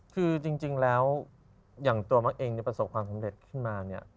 คือจริงแล้วอย่างตัวมักเองประสบความสำเร็จขึ้นมาเนี่ย